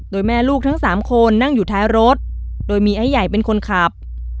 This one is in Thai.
โดยแม่ลูกทั้ง๓คนนั่งอยู่ท้ายรถโดยมีไอ้ใหญ่เป็นคนขับ